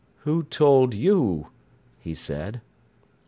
"Who told you?" he said.